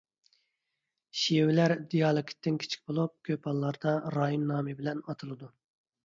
شېۋىلەر دىئالېكتتىن كىچىك بولۇپ، كۆپ ھاللاردا رايون نامى بىلەن ئاتىلىدۇ.